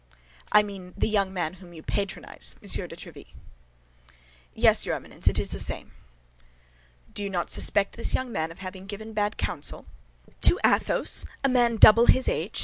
"I mean a young man whom you patronize, Monsieur de Tréville." "Yes, your Eminence, it is the same." "Do you not suspect this young man of having given bad counsel?" "To Athos, to a man double his age?"